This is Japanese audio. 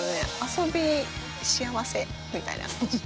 遊び幸せみたいな。